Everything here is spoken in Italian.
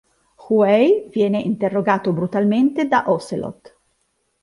Huey viene interrogato brutalmente da Ocelot.